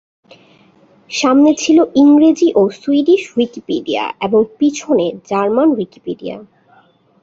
সামনে ছিলো ইংরেজি ও সুইডিশ উইকিপিডিয়া এবং পিছনে জার্মান উইকিপিডিয়া।